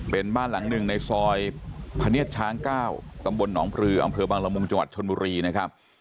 เป็นบ้านหลังหนึ่งในซอยพะเนียดช้าง๙ตำบลหนองปลืออำเภอบังละมุงจังหวัดชนบุรีนะครับ